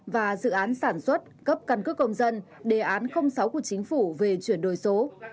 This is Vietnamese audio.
sản xuất cấp căn cứ công dân đề án sáu của chính phủ về chuyển đổi số